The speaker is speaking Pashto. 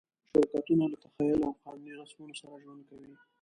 شرکتونه له تخیل او قانوني رسمونو سره ژوند کوي.